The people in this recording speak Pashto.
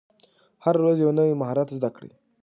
هره ورځ یو نوی مهارت زده کړه.